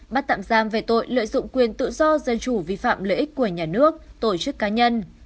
bắt tạm giam về tội lợi dụng quyền tự do dân chủ vi phạm lợi ích của nhà nước tổ chức cá nhân